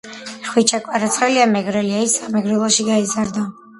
ხვიჩა კვარაცხელია მეგრელია.ის სამეგრელოში გაიზარდა